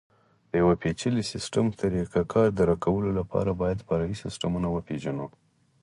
د یوه پېچلي سیسټم کار طریقه درک کولو لپاره باید فرعي سیسټمونه وپېژنو.